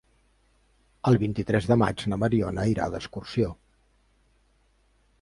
El vint-i-tres de maig na Mariona irà d'excursió.